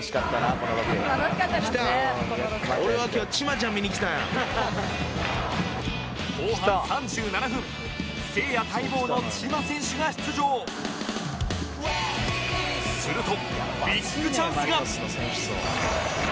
このロケ」後半３７分せいや待望のチマ選手が出場するとビッグチャンスが！